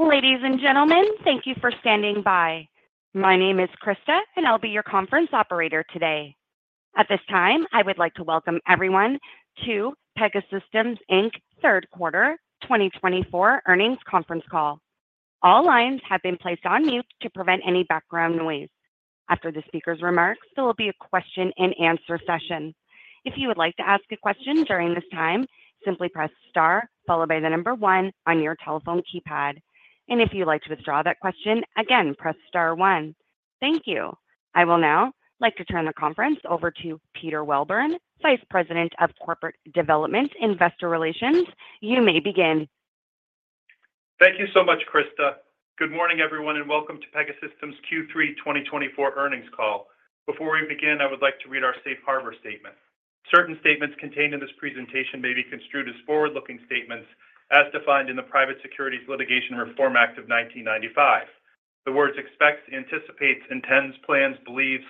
Ladies and gentlemen, thank you for standing by. My name is Krista, and I'll be your conference operator today. At this time, I would like to welcome everyone to Pegasystems Inc. third quarter 2024 earnings conference call. All lines have been placed on mute to prevent any background noise. After the speaker's remarks, there will be a question and answer session. If you would like to ask a question during this time, simply press star followed by the number one on your telephone keypad. And if you'd like to withdraw that question, again, press star one. Thank you. I will now like to turn the conference over to Peter Welburn, Vice President of Corporate Development, Investor Relations. You may begin. Thank you so much, Krista. Good morning, everyone, and welcome to Pegasystems' Q3 2024 earnings call. Before we begin, I would like to read our safe harbor statement. Certain statements contained in this presentation may be construed as forward-looking statements as defined in the Private Securities Litigation Reform Act of 1995. The words expects, anticipates, intends, plans, believes,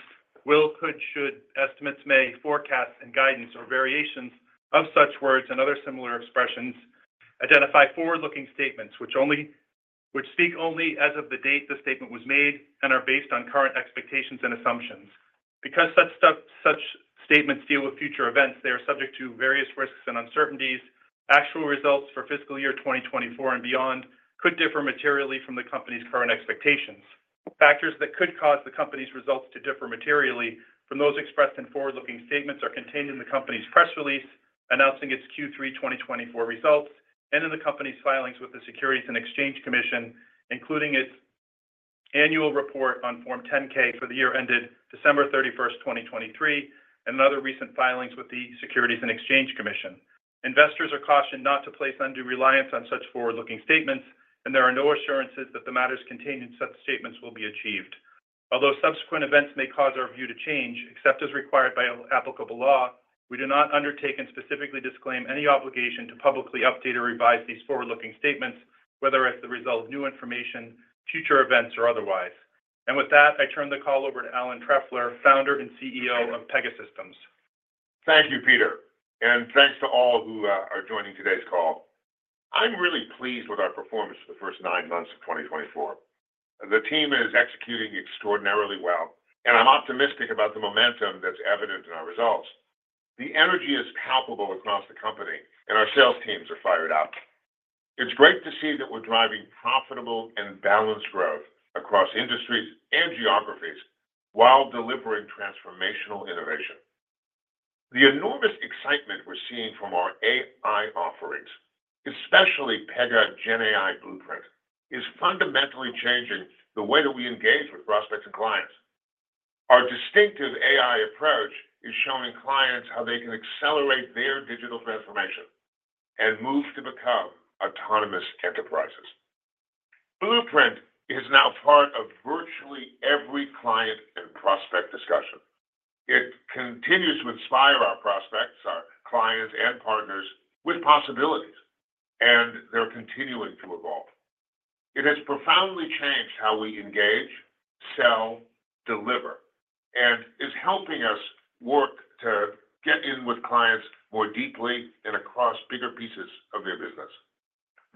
will, could, should, estimates, may, forecast, and guidance, or variations of such words and other similar expressions identify forward-looking statements which speak only as of the date the statement was made and are based on current expectations and assumptions. Because such statements deal with future events, they are subject to various risks and uncertainties. Actual results for fiscal year 2024 and beyond could differ materially from the company's current expectations. Factors that could cause the company's results to differ materially from those expressed in forward-looking statements are contained in the company's press release, announcing its Q3 2024 results, and in the company's filings with the Securities and Exchange Commission, including its annual report on Form 10-K for the year ended December thirty-first, 2023, and other recent filings with the Securities and Exchange Commission. Investors are cautioned not to place undue reliance on such forward-looking statements, and there are no assurances that the matters contained in such statements will be achieved. Although subsequent events may cause our view to change, except as required by applicable law, we do not undertake and specifically disclaim any obligation to publicly update or revise these forward-looking statements, whether as the result of new information, future events, or otherwise. With that, I turn the call over to Alan Trefler, Founder and CEO of Pegasystems. Thank you, Peter, and thanks to all who are joining today's call. I'm really pleased with our performance for the first nine months of 2024. The team is executing extraordinarily well, and I'm optimistic about the momentum that's evident in our results. The energy is palpable across the company, and our sales teams are fired up. It's great to see that we're driving profitable and balanced growth across industries and geographies while delivering transformational innovation. The enormous excitement we're seeing from our AI offerings, especially Pega GenAI Blueprint, is fundamentally changing the way that we engage with prospects and clients. Our distinctive AI approach is showing clients how they can accelerate their digital transformation and move to become autonomous enterprises. Blueprint is now part of virtually every client and prospect discussion. It continues to inspire our prospects, our clients, and partners with possibilities, and they're continuing to evolve. It has profoundly changed how we engage, sell, deliver, and is helping us work to get in with clients more deeply and across bigger pieces of their business.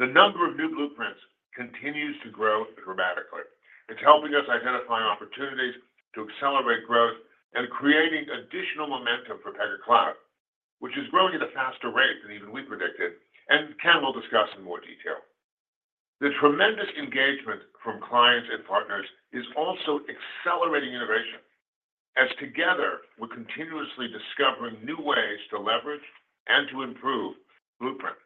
The number of new Blueprints continues to grow dramatically. It's helping us identify opportunities to accelerate growth and creating additional momentum for Pega Cloud, which is growing at a faster rate than even we predicted, and Ken will discuss in more detail. The tremendous engagement from clients and partners is also accelerating innovation, as together, we're continuously discovering new ways to leverage and to improve Blueprint.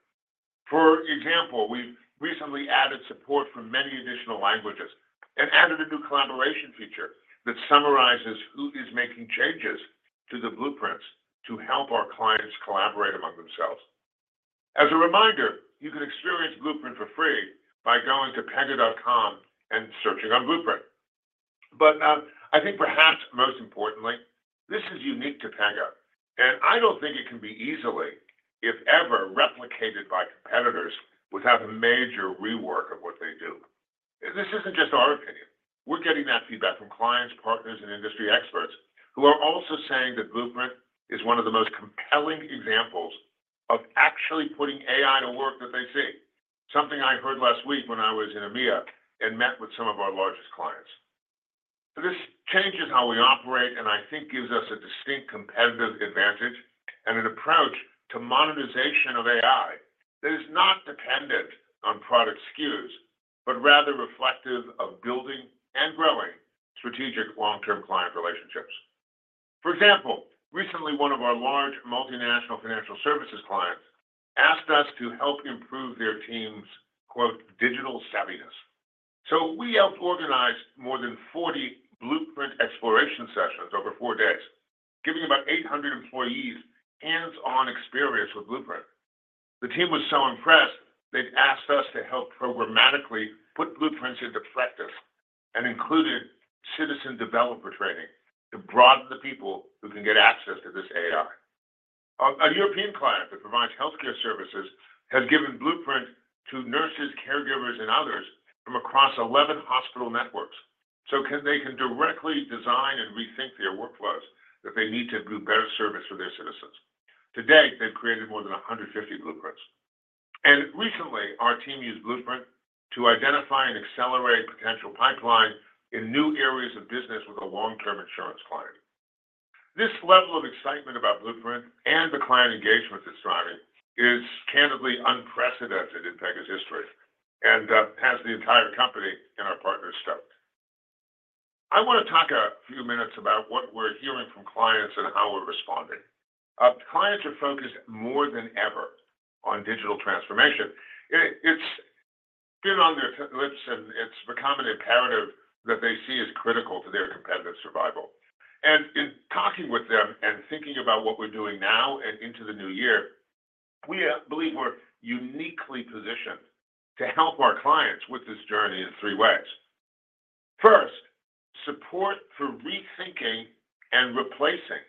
For example, we've recently added support for many additional languages and added a new collaboration feature that summarizes who is making changes to the Blueprints to help our clients collaborate among themselves. As a reminder, you can experience Blueprint for free by going to pega.com and searching on Blueprint. But, I think perhaps most importantly, this is unique to Pega, and I don't think it can be easily, if ever, replicated by competitors without a major rework of what they do. This isn't just our opinion. We're getting that feedback from clients, partners, and industry experts who are also saying that Blueprint is one of the most compelling examples of actually putting AI to work that they see. Something I heard last week when I was in EMEA and met with some of our largest clients. This changes how we operate, and I think gives us a distinct competitive advantage and an approach to monetization of AI that is not dependent on product SKUs, but rather reflective of building and growing strategic long-term client relationships. For example, recently, one of our large multinational financial services clients asked us to help improve their team's "digital savviness." We helped organize more than 40 Blueprint exploration sessions over four days, giving about 800 employees hands-on experience with Blueprint. The team was so impressed, they've asked us to help programmatically put Blueprints into practice and included citizen developer training to broaden the people who can get access to this AI. A European client that provides healthcare services has given Blueprint to nurses, caregivers, and others from across 11 hospital networks, so they can directly design and rethink their workflows if they need to do better service for their citizens. To date, they've created more than 150 Blueprints. Recently, our team used Blueprint to identify and accelerate potential pipeline in new areas of business with a long-term insurance client. This level of excitement about Blueprint and the client engagement it's driving is candidly unprecedented in Pega's history, and has the entire company and our partners stoked! I wanna talk a few minutes about what we're hearing from clients and how we're responding. Our clients are focused more than ever on digital transformation. It's been on their lips, and it's become an imperative that they see as critical to their competitive survival. And in talking with them and thinking about what we're doing now and into the new year, we believe we're uniquely positioned to help our clients with this journey in three ways. First, support for rethinking and replacing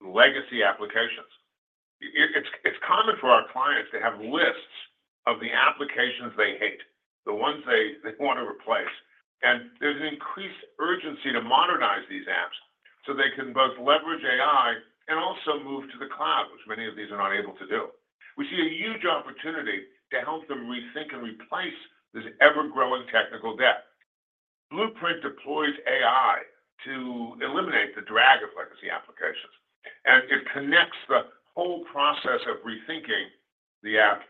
legacy applications. It's common for our clients to have lists of the applications they hate, the ones they want to replace, and there's an increased urgency to modernize these apps so they can both leverage AI and also move to the cloud, which many of these are not able to do. We see a huge opportunity to help them rethink and replace this ever-growing technical debt. Blueprint deploys AI to eliminate the drag of legacy applications, and it connects the whole process of rethinking the app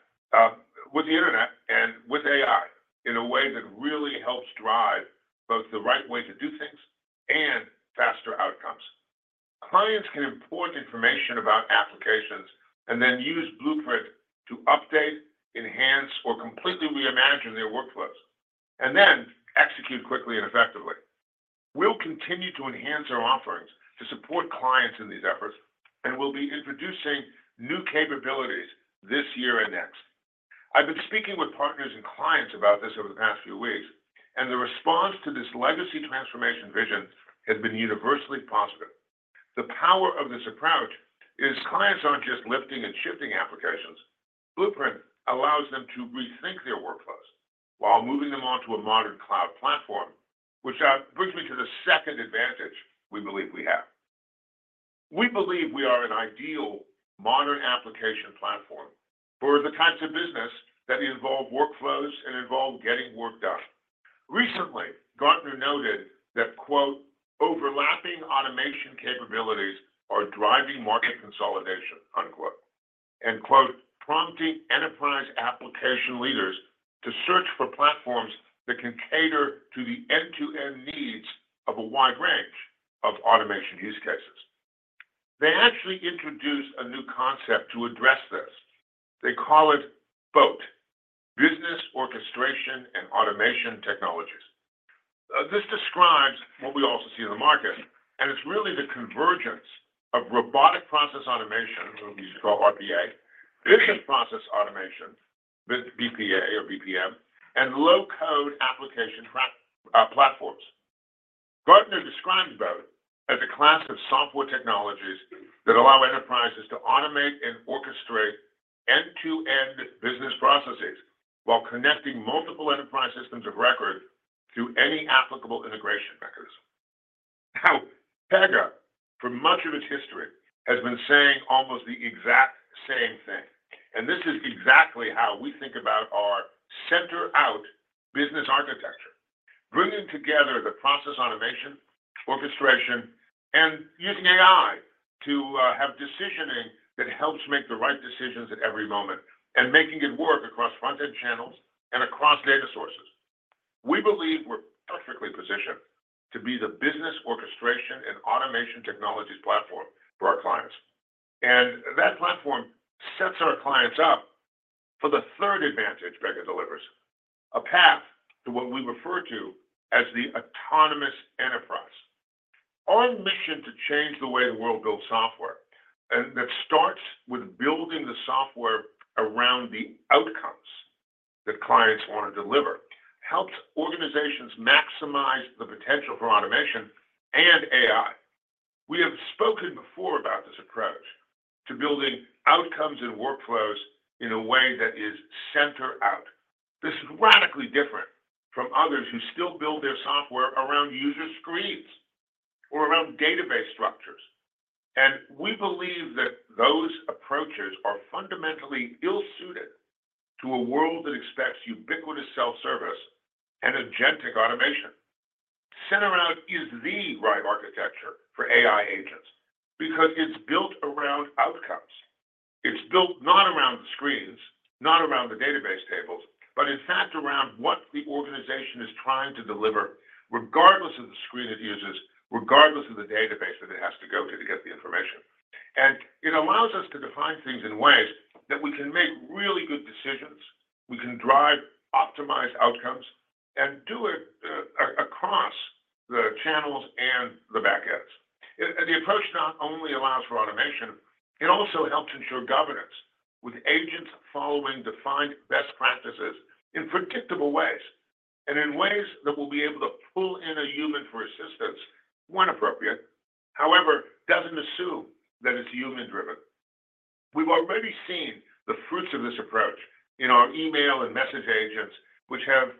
with the internet and with AI in a way that really helps drive both the right way to do things and faster outcomes. Clients can import information about applications and then use Blueprint to update, enhance, or completely reimagine their workflows, and then execute quickly and effectively. We'll continue to enhance our offerings to support clients in these efforts, and we'll be introducing new capabilities this year and next. I've been speaking with partners and clients about this over the past few weeks, and the response to this legacy transformation vision has been universally positive. The power of this approach is clients aren't just lifting and shifting applications. Blueprint allows them to rethink their workflows while moving them onto a modern cloud platform, which brings me to the second advantage we believe we have. We believe we are an ideal modern application platform for the types of business that involve workflows and involve getting work done. Recently, Gartner noted that, quote, "Overlapping automation capabilities are driving market consolidation," unquote, and, quote, "Prompting enterprise application leaders to search for platforms that can cater to the end-to-end needs of a wide range of automation use cases." They actually introduced a new concept to address this. They call it BOAT, Business Orchestration and Automation Technologies. This describes what we also see in the market, and it's really the convergence of robotic process automation, what we call RPA, business process automation, BPA or BPM, and low-code application platforms. Gartner describes BOAT as a class of software technologies that allow enterprises to automate and orchestrate end-to-end business processes while connecting multiple enterprise systems of record to any applicable integration records. Now, Pega, for much of its history, has been saying almost the exact same thing, and this is exactly how we think about our Center-out business architecture, bringing together the process automation, orchestration, and using AI to have decisioning that helps make the right decisions at every moment, and making it work across front-end channels and across data sources. We believe we're perfectly positioned to be the Business Orchestration and Automation Technologies platform for our clients, and that platform sets our clients up for the third advantage Pega delivers, a path to what we refer to as the autonomous enterprise. Our mission to change the way the world builds software, and that starts with building the software around the outcomes that clients want to deliver, helps organizations maximize the potential for automation and AI. We have spoken before about this approach to building outcomes and workflows in a way that is center-out. This is radically different from others who still build their software around user screens or around database structures, and we believe that those approaches are fundamentally ill-suited to a world that expects ubiquitous self-service and agentic automation. Center-out is the right architecture for AI agents because it's built around outcomes. It's built not around the screens, not around the database tables, but in fact, around what the organization is trying to deliver, regardless of the screen it uses, regardless of the database that it has to go to to get the information. And it allows us to define things in ways that we can make really good decisions. We can drive optimized outcomes and do it across the channels and the back ends. The approach not only allows for automation, it also helps ensure governance, with agents following defined best practices in predictable ways, and in ways that will be able to pull in a human for assistance when appropriate. However, it doesn't assume that it's human-driven. We've already seen this approach in our email and message agents, which have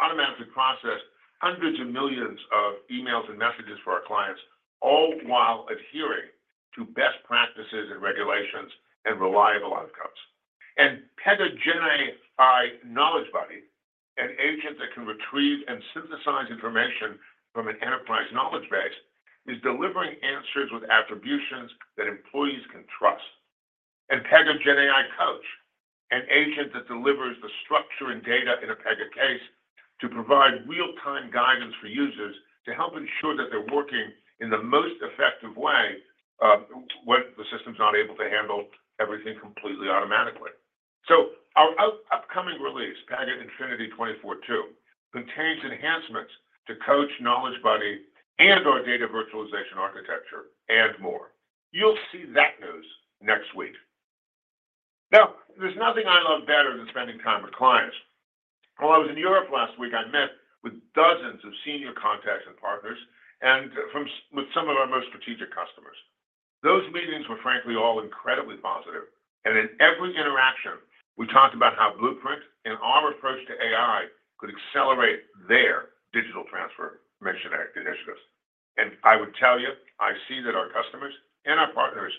automatically processed hundreds of millions of emails and messages for our clients, all while adhering to best practices and regulations and reliable outcomes. Pega GenAI Knowledge Buddy, an agent that can retrieve and synthesize information from an enterprise knowledge base, is delivering answers with attributions that employees can trust. And Pega GenAI Coach, an agent that delivers the structure and data in a Pega case to provide real-time guidance for users to help ensure that they're working in the most effective way, when the system's not able to handle everything completely automatically. So our upcoming release, Pega Infinity 2024.2, contains enhancements to Coach, Knowledge Buddy, and our data virtualization architecture, and more. You'll see that news next week. Now, there's nothing I love better than spending time with clients. While I was in Europe last week, I met with dozens of senior contacts and partners, and with some of our most strategic customers. Those meetings were frankly all incredibly positive, and in every interaction, we talked about how Blueprint and our approach to AI could accelerate their digital transformation initiatives. And I would tell you, I see that our customers and our partners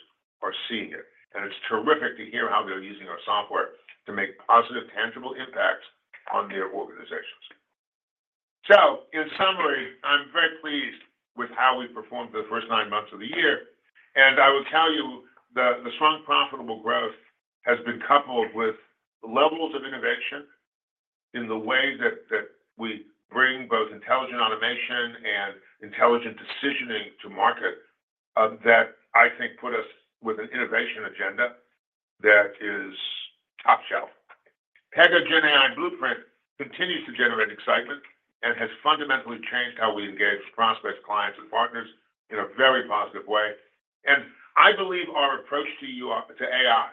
are seeing it, and it's terrific to hear how they're using our software to make positive, tangible impacts on their organizations. So in summary, I'm very pleased with how we performed the first nine months of the year, and I would tell you that the strong, profitable growth has been coupled with levels of innovation in the way that we bring both intelligent automation and intelligent decisioning to market that I think put us with an innovation agenda that is top shelf. Pega GenAI Blueprint continues to generate excitement and has fundamentally changed how we engage prospects, clients, and partners in a very positive way. And I believe our approach to AI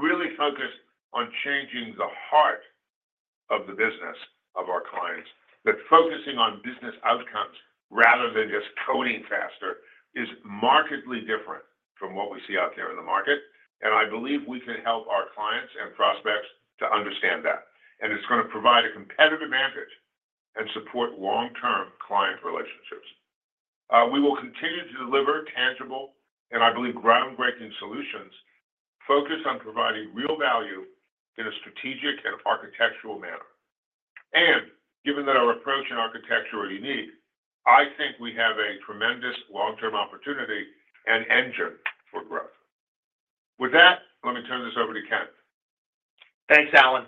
really focused on changing the heart of the business of our clients. That focusing on business outcomes rather than just coding faster is markedly different from what we see out there in the market, and I believe we can help our clients and prospects to understand that. And it's going to provide a competitive advantage and support long-term client relationships. We will continue to deliver tangible, and I believe groundbreaking solutions, focused on providing real value in a strategic and architectural manner. And given that our approach and architecture are unique, I think we have a tremendous long-term opportunity and engine for growth. With that, let me turn this over to Ken. Thanks, Alan.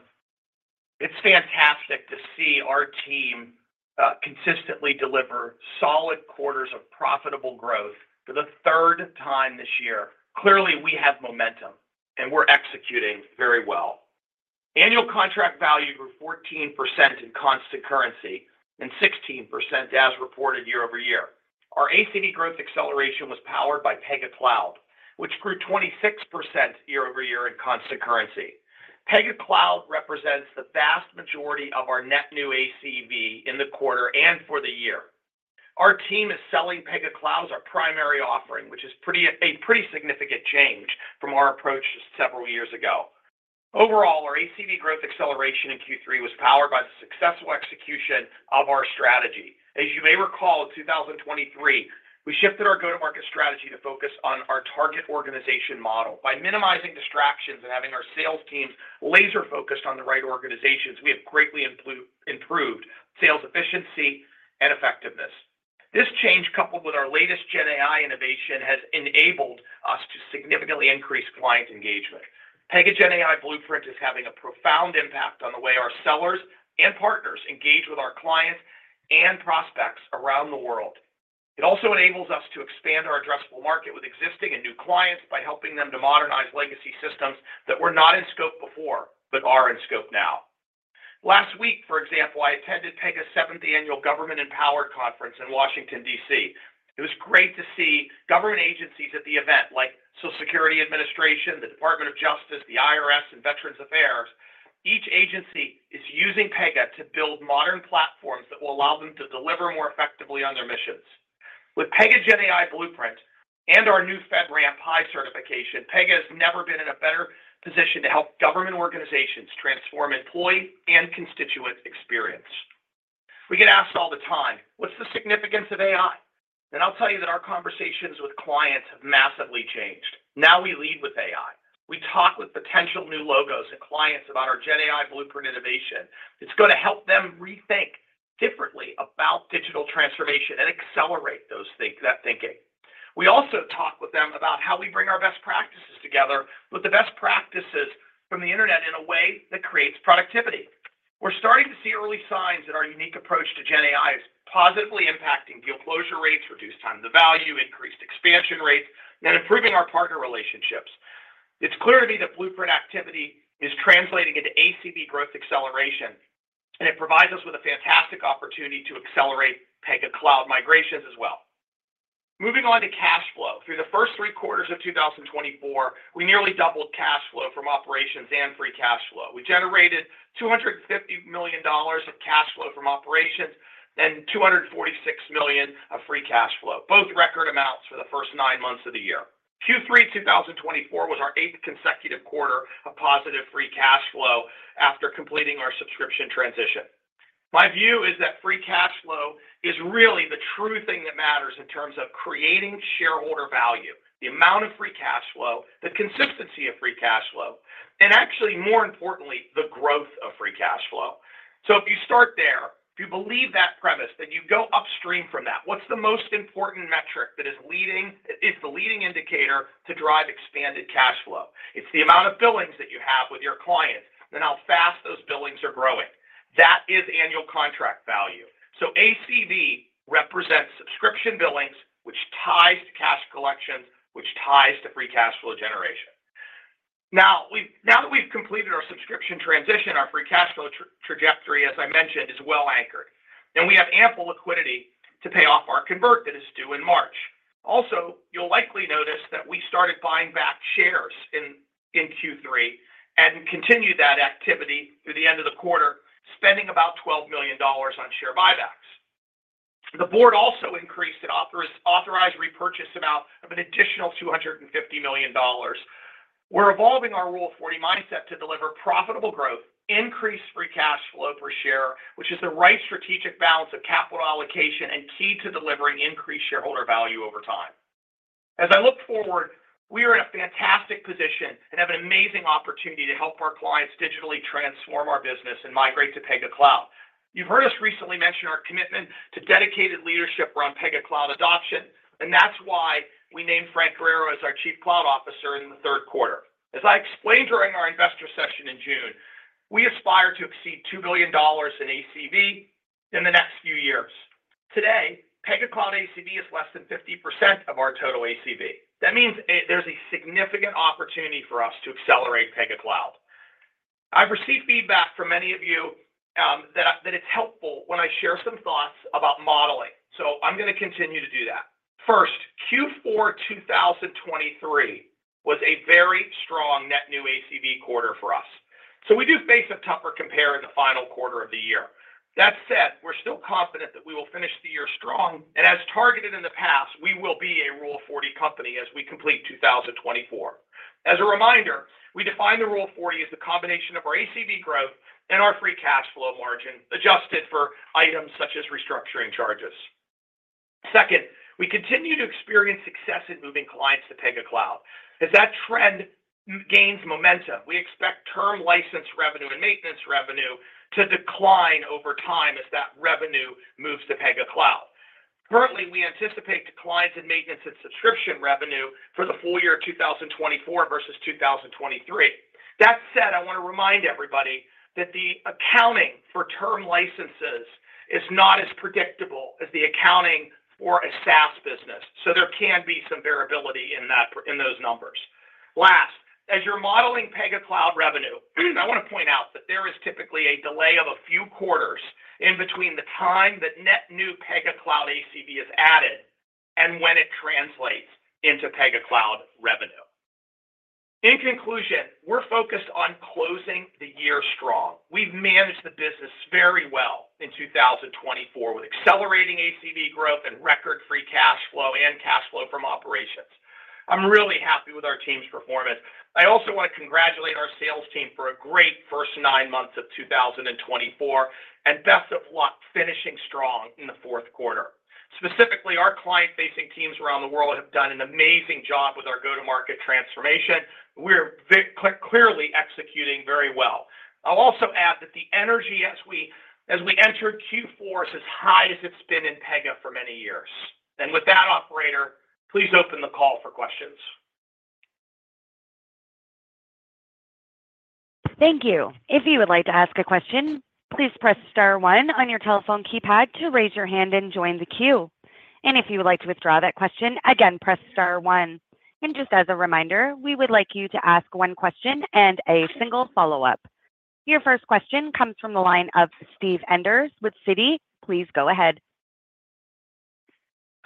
It's fantastic to see our team consistently deliver solid quarters of profitable growth for the third time this year. Clearly, we have momentum, and we're executing very well. Annual contract value grew 14% in constant currency and 16% as reported year-over-year. Our ACV growth acceleration was powered by Pega Cloud, which grew 26% year-over-year in constant currency. Pega Cloud represents the vast majority of our net new ACV in the quarter and for the year. Our team is selling Pega Cloud as our primary offering, which is a pretty significant change from our approach just several years ago. Overall, our ACV growth acceleration in Q3 was powered by the successful execution of our strategy. As you may recall, in 2023, we shifted our go-to-market strategy to focus on our target organization model. By minimizing distractions and having our sales teams laser focused on the right organizations, we have greatly improved sales efficiency and effectiveness. This change, coupled with our latest GenAI innovation, has enabled us to significantly increase client engagement. Pega GenAI Blueprint is having a profound impact on the way our sellers and partners engage with our clients and prospects around the world. It also enables us to expand our addressable market with existing and new clients by helping them to modernize legacy systems that were not in scope before, but are in scope now. Last week, for example, I attended Pega's seventh Annual Government Empower Conference in Washington, D.C. It was great to see government agencies at the event, like Social Security Administration, the Department of Justice, the IRS, and Veterans Affairs. Each agency is using Pega to build modern platforms that will allow them to deliver more effectively on their missions. With Pega GenAI Blueprint and our new FedRAMP High certification, Pega has never been in a better position to help government organizations transform employee and constituent experience. We get asked all the time: What's the significance of AI? And I'll tell you that our conversations with clients have massively changed. Now we lead with AI. We talk with potential new logos and clients about our GenAI Blueprint innovation. It's going to help them rethink differently about digital transformation and accelerate that thinking. We also talk with them about how we bring our best practices together with the best practices from the internet in a way that creates productivity. We're starting to see early signs that our unique approach to GenAI is positively impacting deal closure rates, reduced time to value, increased expansion rates, and improving our partner relationships. It's clear to me that Blueprint activity is translating into ACV growth acceleration, and it provides us with a fantastic opportunity to accelerate Pega Cloud migrations as well. Moving on to cash flow. Through the first three quarters of 2024, we nearly doubled cash flow from operations and free cash flow. We generated $250 million of cash flow from operations and $246 million of free cash flow, both record amounts... the first nine months of the year. Q3, 2024 was our eighth consecutive quarter of positive free cash flow after completing our subscription transition. My view is that free cash flow is really the true thing that matters in terms of creating shareholder value, the amount of free cash flow, the consistency of free cash flow, and actually, more importantly, the growth of free cash flow. So if you start there, if you believe that premise, then you go upstream from that. What's the most important metric that is the leading indicator to drive expanded cash flow? It's the amount of billings that you have with your clients and how fast those billings are growing. That is annual contract value. So ACV represents subscription billings, which ties to cash collections, which ties to free cash flow generation. Now, now that we've completed our subscription transition, our free cash flow trajectory, as I mentioned, is well anchored, and we have ample liquidity to pay off our convert that is due in March. Also, you'll likely notice that we started buying back shares in Q3 and continued that activity through the end of the quarter, spending about $12 million on share buybacks. The board also increased an authorized repurchase amount of an additional $250 million. We're evolving our Rule of 40 mindset to deliver profitable growth, increase free cash flow per share, which is the right strategic balance of capital allocation and key to delivering increased shareholder value over time. As I look forward, we are in a fantastic position and have an amazing opportunity to help our clients digitally transform our business and migrate to Pega Cloud. You've heard us recently mention our commitment to dedicated leadership around Pega Cloud adoption, and that's why we named Frank Guerrero as our Chief Cloud Officer in the third quarter. As I explained during our investor session in June, we aspire to exceed $2 billion in ACV in the next few years. Today, Pega Cloud ACV is less than 50% of our total ACV. That means, there's a significant opportunity for us to accelerate Pega Cloud. I've received feedback from many of you that it's helpful when I share some thoughts about modeling, so I'm gonna continue to do that. First, Q4 2023 was a very strong net new ACV quarter for us. So we do face a tougher compare in the final quarter of the year. That said, we're still confident that we will finish the year strong, and as targeted in the past, we will be a Rule of 40 company as we complete 2024. As a reminder, we define the Rule of 40 as the combination of our ACV growth and our free cash flow margin, adjusted for items such as restructuring charges. Second, we continue to experience success in moving clients to Pega Cloud. As that trend gains momentum, we expect term license revenue and maintenance revenue to decline over time as that revenue moves to Pega Cloud. Currently, we anticipate declines in maintenance and subscription revenue for the full-year 2024 versus 2023. That said, I want to remind everybody that the accounting for term licenses is not as predictable as the accounting for a SaaS business, so there can be some variability in that, in those numbers. Last, as you're modeling Pega Cloud revenue, I want to point out that there is typically a delay of a few quarters in between the time that net new Pega Cloud ACV is added and when it translates into Pega Cloud revenue. In conclusion, we're focused on closing the year strong. We've managed the business very well in 2024, with accelerating ACV growth and record free cash flow and cash flow from operations. I'm really happy with our team's performance. I also want to congratulate our sales team for a great first nine months of 2024, and best of luck finishing strong in the fourth quarter. Specifically, our client-facing teams around the world have done an amazing job with our go-to-market transformation. We're clearly executing very well. I'll also add that the energy as we enter Q4 is as high as it's been in Pega for many years, and with that, operator, please open the call for questions. Thank you. If you would like to ask a question, please press star one on your telephone keypad to raise your hand and join the queue. And if you would like to withdraw that question, again, press star one. And just as a reminder, we would like you to ask one question and a single follow-up. Your first question comes from the line of Steve Enders with Citi. Please go ahead.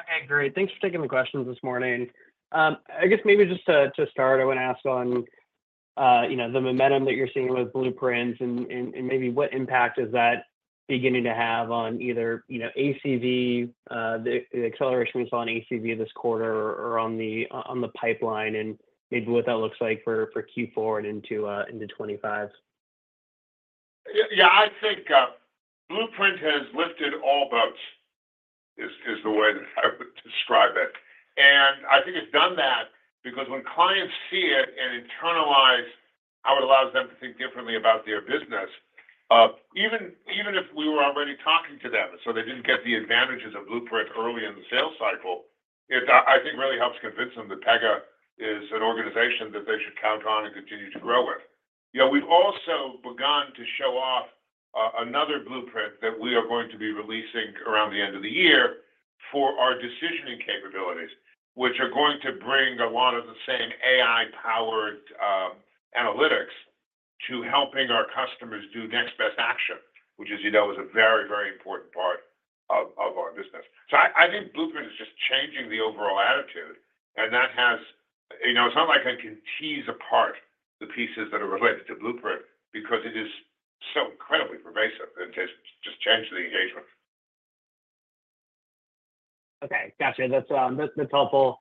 Okay, great. Thanks for taking the questions this morning. I guess maybe just to start, I want to ask on, you know, the momentum that you're seeing with Blueprints and maybe what impact is that beginning to have on either, you know, ACV, the acceleration we saw on ACV this quarter or on the pipeline, and maybe what that looks like for Q4 and into 2025. Yeah, I think Blueprint has lifted all boats. It is the way that I would describe it. And I think it's done that because when clients see it and internalize how it allows them to think differently about their business, even if we were already talking to them, so they didn't get the advantages of Blueprint early in the sales cycle, it. I think really helps convince them that Pega is an organization that they should count on and continue to grow with. You know, we've also begun to show off another Blueprint that we are going to be releasing around the end of the year for our decisioning capabilities, which are going to bring a lot of the same AI-powered analytics to helping our customers do next best action, which, as you know, is a very, very important part of our business. So I think Blueprint is just changing the overall attitude, and that has-... you know, it's not like I can tease apart the pieces that are related to Blueprint, because it is so incredibly pervasive, and just, just changing the engagement. Okay, gotcha. That's helpful.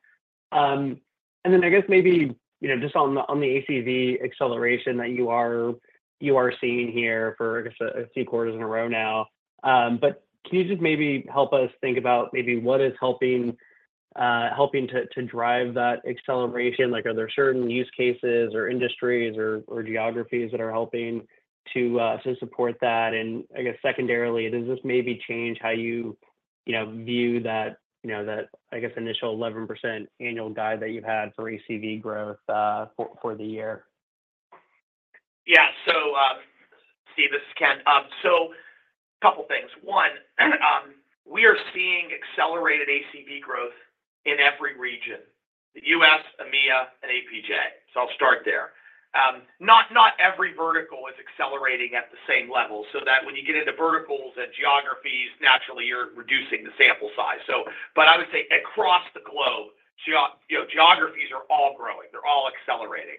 And then I guess maybe, you know, just on the ACV acceleration that you are seeing here for, I guess, a few quarters in a row now. But can you just maybe help us think about maybe what is helping to drive that acceleration? Like, are there certain use cases or industries or geographies that are helping to support that? And I guess secondarily, does this maybe change how you, you know, view that, you know, that, I guess, initial 11% annual guide that you've had for ACV growth, for the year? Yeah. So, Steve, this is Ken. So couple things. One, we are seeing accelerated ACV growth in every region, the U.S., EMEA, and APJ. So I'll start there. Not every vertical is accelerating at the same level, so that when you get into verticals and geographies, naturally you're reducing the sample size. So, but I would say across the globe, you know, geographies are all growing, they're all accelerating.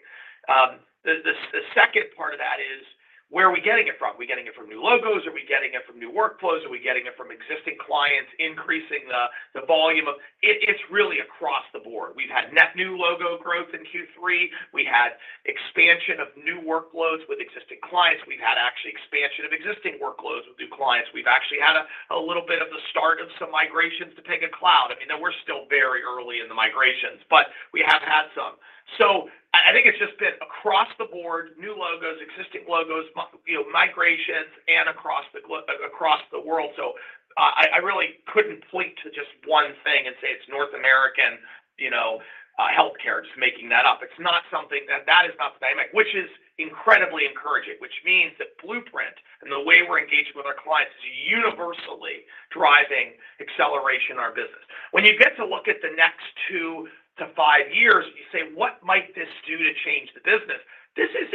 The second part of that is, where are we getting it from? Are we getting it from new logos? Are we getting it from new workloads? Are we getting it from existing clients, increasing the volume of... It's really across the board. We've had net new logo growth in Q3. We had expansion of new workloads with existing clients. We've had actually expansion of existing workloads with new clients. We've actually had a little bit of the start of some migrations to Pega Cloud. I mean, we're still very early in the migrations, but we have had some. So I think it's just been across the board, new logos, existing logos, you know, migrations, and across the world. So, I really couldn't point to just one thing and say it's North American, you know, healthcare, just making that up. It's not something that is not the dynamic, which is incredibly encouraging. Which means that Blueprint and the way we're engaging with our clients is universally driving acceleration in our business. When you get to look at the next two to five years, you say, "What might this do to change the business?" This is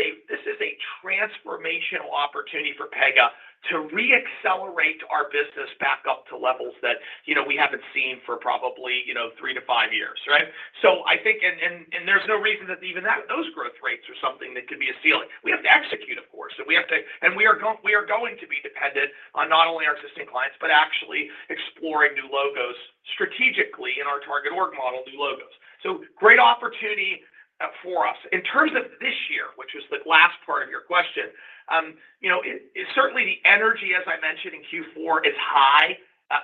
a transformational opportunity for Pega to re-accelerate our business back up to levels that, you know, we haven't seen for probably, you know, three to five years, right? So I think, and there's no reason that even that those growth rates are something that could be a ceiling. We have to execute, of course, and we have to and we are going to be dependent on not only our existing clients, but actually exploring new logos strategically in our target org model, new logos. So great opportunity, for us. In terms of this year, which was the last part of your question, you know, it certainly the energy, as I mentioned in Q4, is high.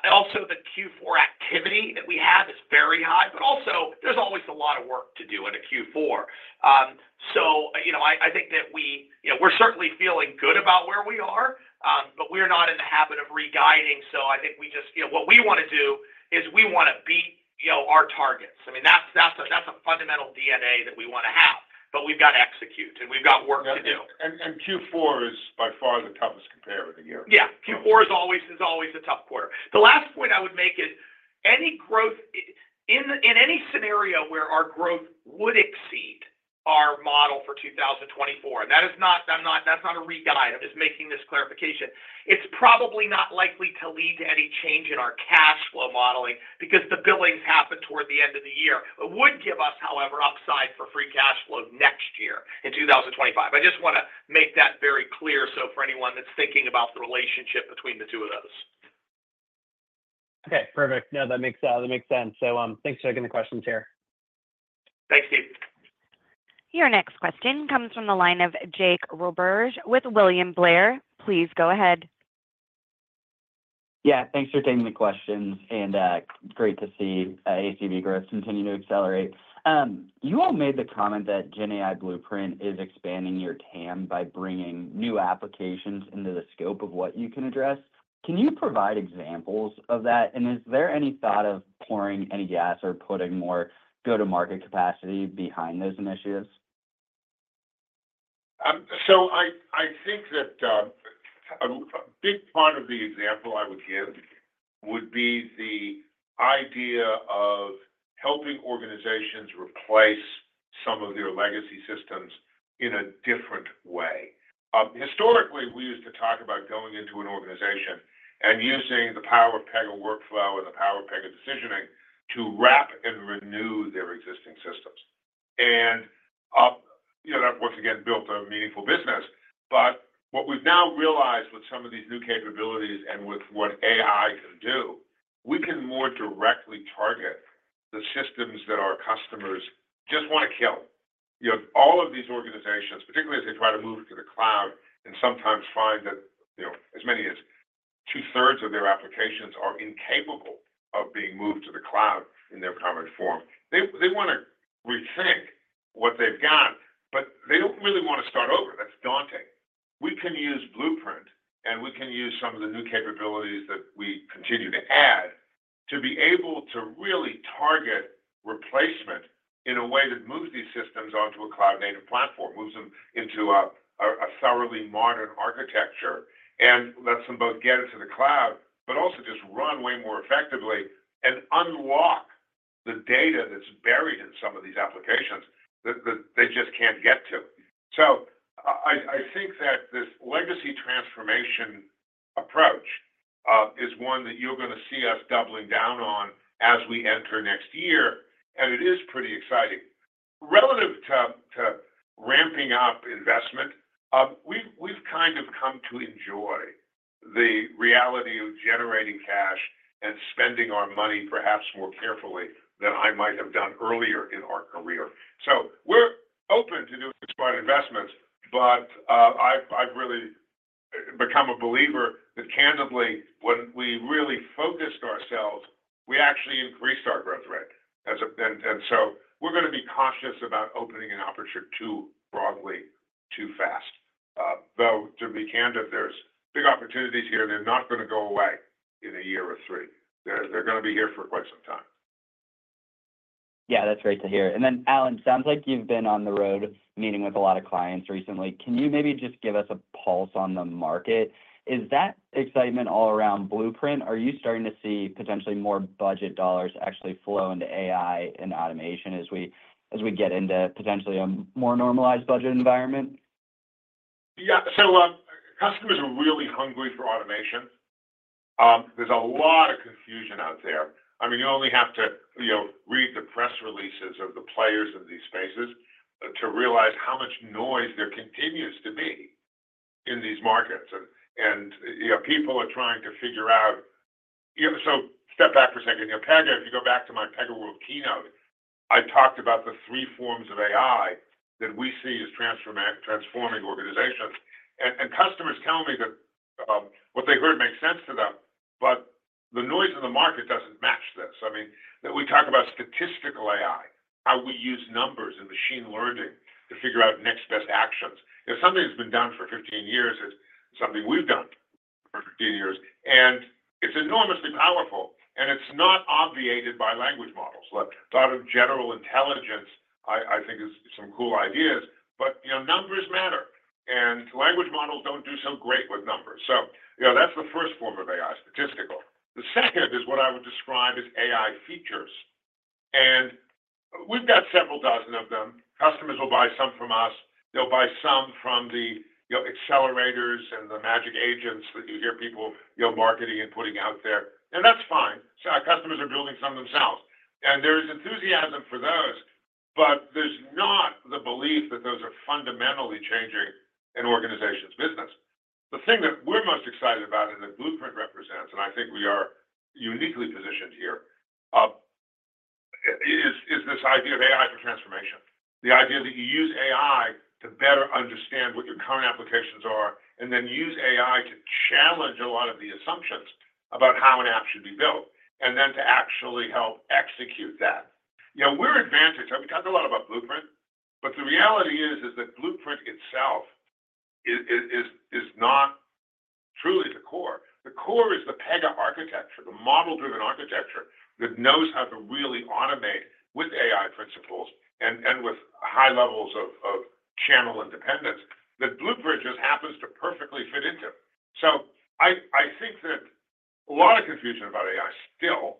Also the Q4 activity that we have is very high, but also there's always a lot of work to do in a Q4. So, you know, I think that we, you know, we're certainly feeling good about where we are, but we're not in the habit of re-guiding. So I think we just, you know, what we wanna do is we wanna beat, you know, our targets. I mean, that's a fundamental DNA that we wanna have, but we've got to execute, and we've got work to do. Q4 is by far the toughest compare of the year. Yeah, Q4 is always a tough quarter. The last point I would make is any growth in any scenario where our growth would exceed our model for 2024, and that's not a re-guide. I'm just making this clarification. It's probably not likely to lead to any change in our cash flow modeling because the billings happen toward the end of the year. It would give us, however, upside for free cash flow next year, in 2025. I just wanna make that very clear, so for anyone that's thinking about the relationship between the two of those. Okay, perfect. No, that makes sense. So, thanks for taking the questions here. Thanks, Steve. Your next question comes from the line of Jake Roberge with William Blair. Please go ahead. Yeah, thanks for taking the questions, and great to see ACV growth continue to accelerate. You all made the comment that GenAI Blueprint is expanding your TAM by bringing new applications into the scope of what you can address. Can you provide examples of that? And is there any thought of pouring any gas or putting more go-to-market capacity behind those initiatives? So I think that a big part of the example I would give would be the idea of helping organizations replace some of their legacy systems in a different way. Historically, we used to talk about going into an organization and using the power of Pega workflow and the power of Pega decisioning to wrap and renew their existing systems. And you know that once again built a meaningful business. But what we've now realized with some of these new capabilities and with what AI can do, we can more directly target the systems that our customers just wanna kill. You know all of these organizations, particularly as they try to move to the cloud, and sometimes find that you know as many as two-thirds of their applications are incapable of being moved to the cloud in their current form. They, they wanna rethink what they've got, but they don't really wanna start over. That's daunting. We can use Blueprint, and we can use some of the new capabilities that we continue to add to be able to really target replacement in a way that moves these systems onto a cloud-native platform, moves them into a thoroughly modern architecture, and lets them both get into the cloud, but also just run way more effectively and unlock the data that's buried in some of these applications. I think that this legacy transformation approach is one that you're going to see us doubling down on as we enter next year, and it is pretty exciting. Relative to ramping up investment, we've kind of come to enjoy the reality of generating cash and spending our money perhaps more carefully than I might have done earlier in our career. So we're open to doing smart investments, but I've really become a believer that candidly, when we really focused ourselves, we actually increased our growth rate, and so we're going to be cautious about opening an opportunity too broadly, too fast. Though, to be candid, there's big opportunities here, and they're not going to go away in a year or three. They're going to be here for quite some time. Yeah, that's great to hear. And then, Alan, sounds like you've been on the road meeting with a lot of clients recently. Can you maybe just give us a pulse on the market? Is that excitement all around Blueprint, or are you starting to see potentially more budget dollars actually flow into AI and automation as we get into potentially a more normalized budget environment? Yeah. So, customers are really hungry for automation. There's a lot of confusion out there. I mean, you only have to, you know, read the press releases of the players in these spaces to realize how much noise there continues to be in these markets. And you know, people are trying to figure out. You know, so step back for a second. You know, Pega, if you go back to my PegaWorld keynote, I talked about the three forms of AI that we see as transforming organizations. And customers tell me that what they heard makes sense to them, but the noise in the market doesn't match this. I mean, that we talk about statistical AI, how we use numbers and machine learning to figure out next best actions. It's something that's been done for 15 years. It's something we've done for fifteen years, and it's enormously powerful, and it's not obviated by language models. The thought of general intelligence, I, I think, is some cool ideas, but, you know, numbers matter, and language models don't do so great with numbers. So, you know, that's the first form of AI, statistical. The second is what I would describe as AI features, and we've got several dozen of them. Customers will buy some from us. They'll buy some from the, you know, accelerators and the magic agents that you hear people, you know, marketing and putting out there, and that's fine. So our customers are building some themselves, and there is enthusiasm for those, but there's not the belief that those are fundamentally changing an organization's business. The thing that we're most excited about and that Blueprint represents, and I think we are uniquely positioned here, is this idea of AI for transformation. The idea that you use AI to better understand what your current applications are, and then use AI to challenge a lot of the assumptions about how an app should be built, and then to actually help execute that. You know, we're advantaged. I mean, we talked a lot about Blueprint, but the reality is that Blueprint itself is not truly the core. The core is the Pega architecture, the model-driven architecture that knows how to really automate with AI principles and with high levels of channel independence that Blueprint just happens to perfectly fit into. I think that a lot of confusion about AI still,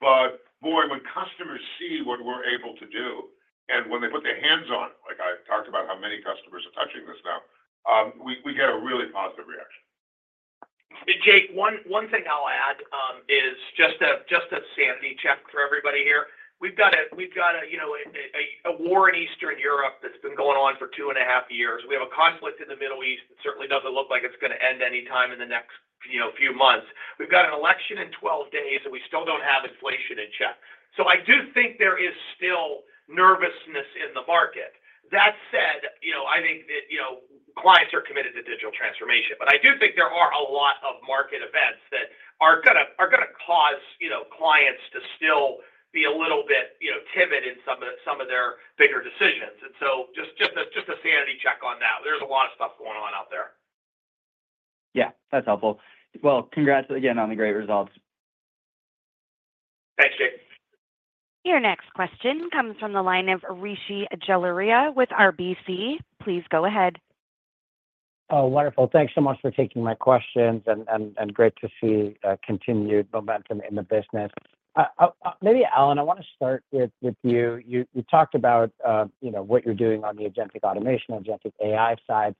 but boy, when customers see what we're able to do and when they put their hands on, like I talked about how many customers are touching this now, we get a really positive reaction. Jake, one thing I'll add is just a sanity check for everybody here. We've got a war in Eastern Europe that's been going on for two and a half years. We have a conflict in the Middle East. It certainly doesn't look like it's going to end anytime in the next, you know, few months. We've got an election in 12 days, and we still don't have inflation in check. So I do think there is still nervousness in the market. That said, you know, I think that, you know, clients are committed to digital transformation, but I do think there are a lot of market events that are going to cause, you know, clients to still be a little bit, you know, timid in some of their bigger decisions. And so just a sanity check on that. There's a lot of stuff going on out there. Yeah, that's helpful. Well, congrats again on the great results. Thanks, Jake. Your next question comes from the line of Rishi Jaluria with RBC. Please go ahead. Oh, wonderful. Thanks so much for taking my questions, and great to see continued momentum in the business. Maybe, Alan, I want to start with you. You talked about, you know, what you're doing on the agentic automation, agentic AI side.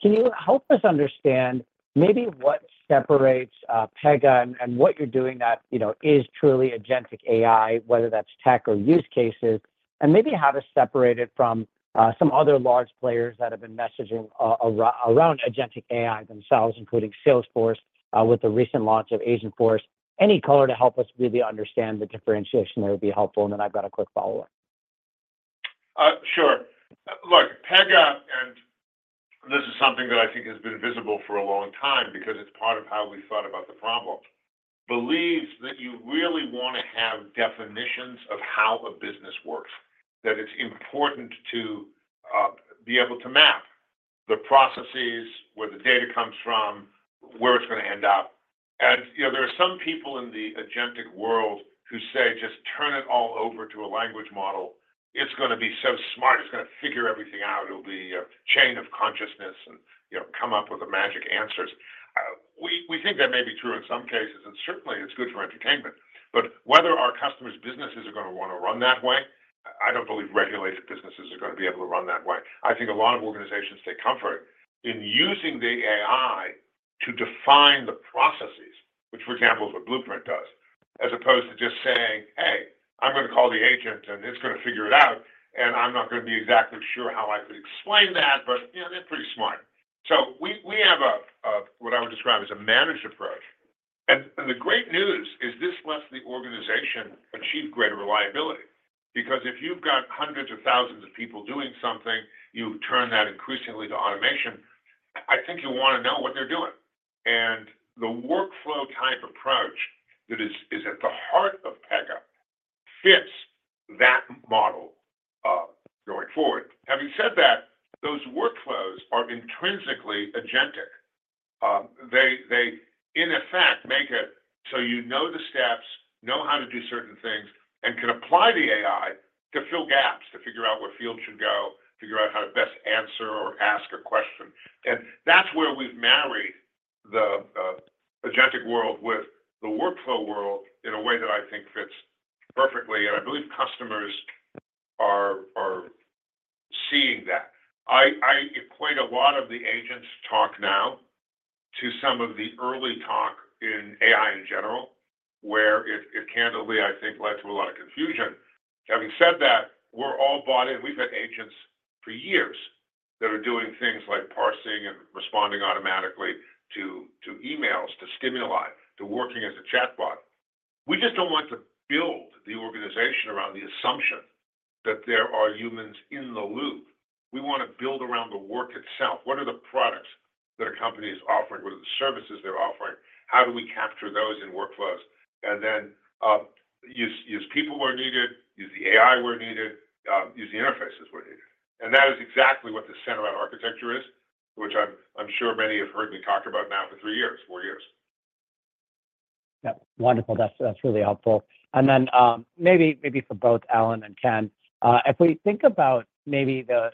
Can you help us understand maybe what separates Pega and what you're doing that, you know, is truly agentic AI, whether that's tech or use cases, and maybe how to separate it from some other large players that have been messaging around agentic AI themselves, including Salesforce with the recent launch of Agentforce. Any color to help us really understand the differentiation there would be helpful, and then I've got a quick follow-up. Sure. Look, Pega, and this is something that I think has been visible for a long time because it's part of how we thought about the problem, believes that you really want to have definitions of how a business works, that it's important to be able to map the processes, where the data comes from, where it's going to end up. And, you know, there are some people in the agentic world who say, "Just turn it all over to a language model. It's going to be so smart. It's going to figure everything out. It'll be a chain of consciousness and, you know, come up with the magic answers." We think that may be true in some cases, and certainly it's good for entertainment. But whether our customers' businesses are gonna wanna run that way, I don't believe regulated businesses are gonna be able to run that way. I think a lot of organizations take comfort in using the AI to define the processes, which, for example, is what Blueprint does, as opposed to just saying, "Hey, I'm gonna call the agent, and it's gonna figure it out, and I'm not gonna be exactly sure how I could explain that, but, you know, they're pretty smart." So we have a what I would describe as a managed approach. And the great news is this lets the organization achieve greater reliability, because if you've got hundreds of thousands of people doing something, you turn that increasingly to automation, I think you wanna know what they're doing. And the workflow type approach that is at the heart of Pega fits that model going forward. Having said that, those workflows are intrinsically agentic. They in effect make it so you know the steps, know how to do certain things, and can apply the AI to fill gaps, to figure out what field should go, figure out how to best answer or ask a question. And that's where we've married the agentic world with the workflow world in a way that I think fits perfectly, and I believe customers are seeing that. I equate a lot of the agents talk now to some of the early talk in AI in general, where it candidly I think led to a lot of confusion. Having said that, we're all bought in. We've had agents for years that are doing things like parsing and responding automatically to emails, to stimuli, to working as a chatbot. We just don't want to build the organization around the assumption that there are humans in the loop. We wanna build around the work itself. What are the products that a company is offering? What are the services they're offering? How do we capture those in workflows? And then use people where needed, use the AI where needed, use the interfaces where needed. And that is exactly what the center-out architecture is, which I'm sure many have heard me talk about now for three years, four years. Yeah. Wonderful. That's really helpful. And then, maybe for both Alan and Ken, if we think about maybe the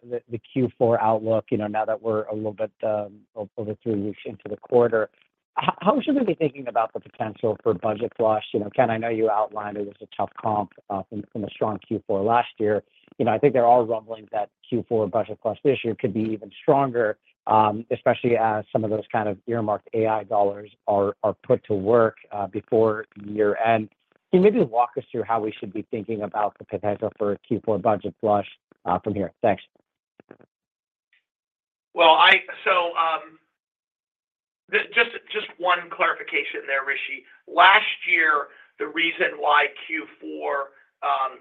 Q4 outlook, you know, now that we're a little bit over three weeks into the quarter, how should we be thinking about the potential for budget flush? You know, Ken, I know you outlined it as a tough comp, from a strong Q4 last year. You know, I think there are rumblings that Q4 budget flush this year could be even stronger, especially as some of those kind of earmarked AI dollars are put to work, before year-end. Can you maybe walk us through how we should be thinking about the potential for a Q4 budget flush, from here? Thanks. Well, so just one clarification there, Rishi. Last year, the reason why Q4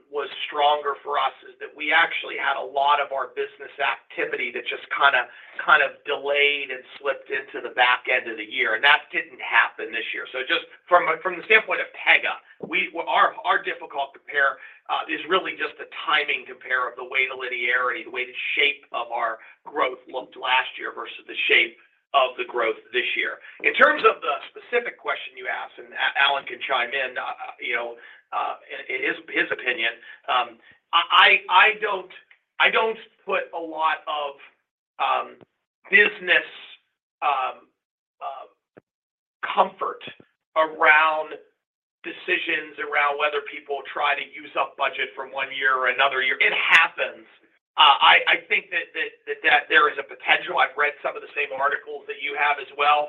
was stronger for us is that we actually had a lot of our business activity that just kind of delayed and slipped into the back end of the year, and that didn't happen this year. Just from the standpoint of Pega, our difficult compare is really just the timing compare of the way the linearity, the way the shape of our growth looked last year versus the shape of the growth this year. In terms of the specific question you asked, and Alan can chime in, you know, in his opinion, I don't put a lot of business comfort around decisions around whether people try to use up budget from one year or another year. It happens. I think that there is a potential. I've read some of the same articles that you have as well,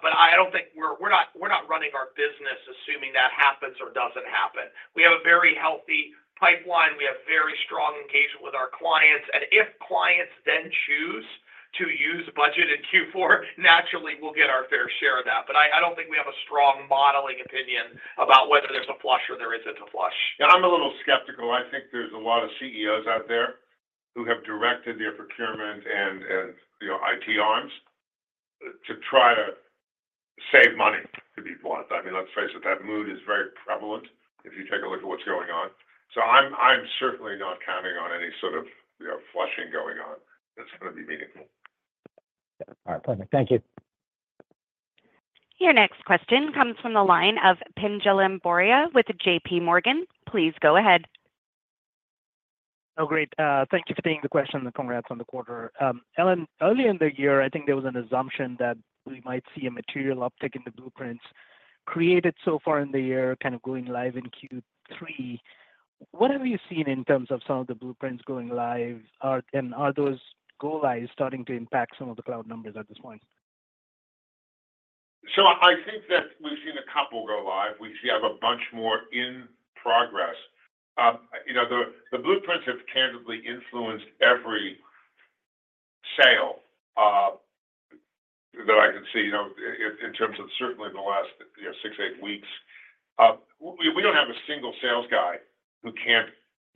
but I don't think we're. We're not running our business assuming that happens or doesn't happen. We have a very healthy pipeline. We have very strong engagement with our clients, and if clients then choose to use budget in Q4, naturally, we'll get our fair share of that. But I don't think we have a strong modeling opinion about whether there's a flush or there isn't a flush. Yeah, I'm a little skeptical. I think there's a lot of CEOs out there who have directed their procurement and, you know, IT arms to try to save money, to be blunt. I mean, let's face it, that mood is very prevalent if you take a look at what's going on, so I'm certainly not counting on any sort of, you know, flushing going on that's gonna be meaningful. All right. Perfect. Thank you. Your next question comes from the line of Pinjalim Bora with J.P. Morgan. Please go ahead. Oh, great. Thank you for taking the question, and congrats on the quarter. Alan, earlier in the year, I think there was an assumption that we might see a material uptick in the blueprints created so far in the year, kind of going live in Q3. What have you seen in terms of some of the blueprints going live? And are those go lives starting to impact some of the cloud numbers at this point? I think that we've seen a couple go live. We have a bunch more in progress. You know, the Blueprints have candidly influenced every sale that I can see, you know, in terms of certainly in the last, you know, six, eight weeks. We don't have a single sales guy who can't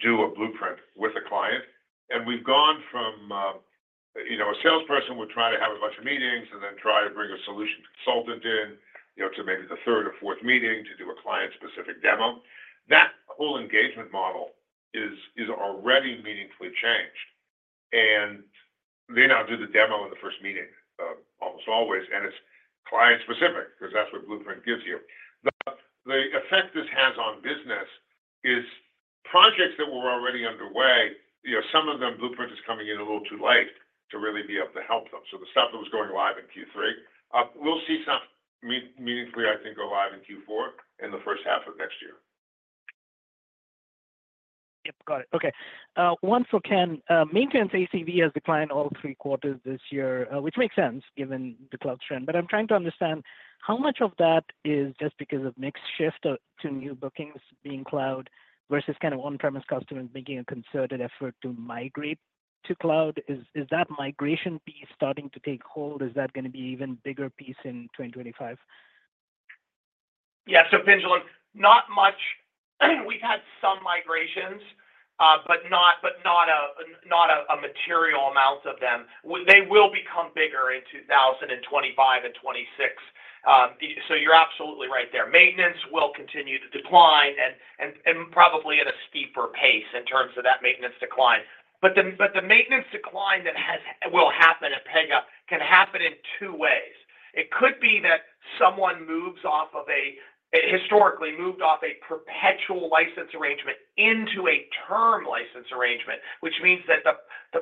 do a Blueprint with a client, and we've gone from a salesperson would try to have a bunch of meetings and then try to bring a solution consultant in, you know, to maybe the third or fourth meeting to do a client-specific demo. That whole engagement model is already meaningfully changed, and they now do the demo in the first meeting almost always, and it's client specific, 'cause that's what Blueprint gives you. The effect this has on business is projects that were already underway, you know, some of them, Blueprint is coming in a little too late to really be able to help them. So the stuff that was going live in Q3, we'll see some meaningfully, I think, go live in Q4, in the first half of next year. Yep, got it. Okay, one for Ken. Maintenance ACV has declined all three quarters this year, which makes sense given the cloud trend. But I'm trying to understand how much of that is just because of mix shift to new bookings being cloud, versus kind of on-premise customers making a concerted effort to migrate to cloud. Is that migration piece starting to take hold? Is that gonna be even bigger piece in 2025? Yeah, so Pinjalim, not much. We've had some migrations, but not a material amount of them. They will become bigger in 2025 and 2026. So you're absolutely right there. Maintenance will continue to decline and probably at a steeper pace in terms of that maintenance decline. But the maintenance decline that will happen at Pega can happen in two ways. It could be that someone historically moved off a perpetual license arrangement into a term license arrangement, which means that the